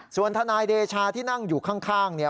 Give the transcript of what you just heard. ส่วนทนายเดชาที่นั่งอยู่ข้างเนี่ย